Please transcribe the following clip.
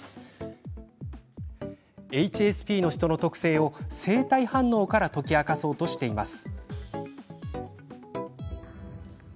ＨＳＰの人の特性を生体反応から解き明かそうとしています。